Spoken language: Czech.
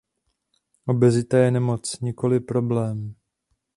Obezita je nemoc, nikoli problém.